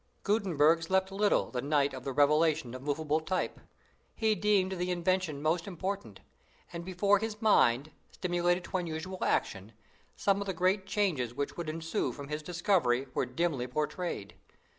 Gutenberg slept little the night of the revelation of movable type. He deemed the invention most important; and before his mind, stimulated to unusual action, some of the great changes which would ensue from his discovery, were dimly portrayed.